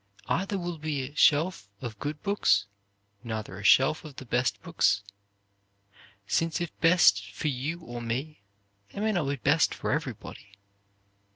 Either will be a shelf of good books, neither a shelf of the best books, since if best for you or me, they may not be best for everybody.